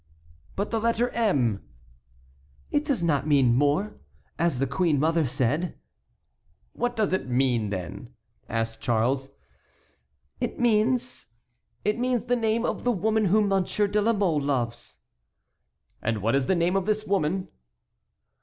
"But the letter 'M'?" "It does not mean mort, as the queen mother said." "What does it mean, then?" asked Charles. "It means—it means the name of the woman whom Monsieur de la Mole loves." "And what is the name of this woman?"